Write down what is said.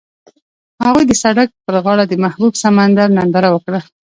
هغوی د سړک پر غاړه د محبوب سمندر ننداره وکړه.